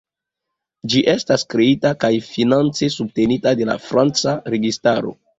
Ĝi estas kreita kaj finance subtenita de la franca registraro.